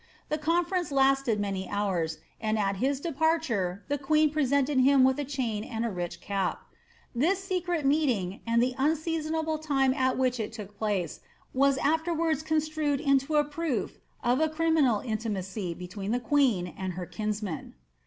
The conference lasted many hours, and at his departure the queen presented him with a chain and a rich cap.' This secret meeting, and the unseasonable time at which it took place, was afterwards construed into a proof of a criminal intimacy between the queen and her kinsman * Actt of Privy Council ; HkU ; Guthrie.